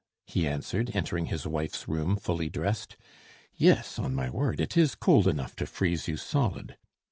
'" he answered, entering his wife's room fully dressed. "Yes, on my word, it is cold enough to freeze you solid.